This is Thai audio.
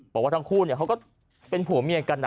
บอกว่าทั้งคู่เขาก็เป็นผัวเมียกัน